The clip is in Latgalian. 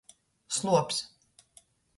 Sluobs.